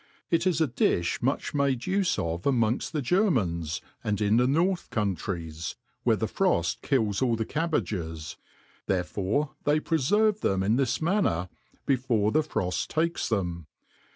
It is a diftv much made ufe of amongft the Germans, and in the North countries, where the froft kills all the cabbages ; therefore they preferve them in this manner before the froft takes them.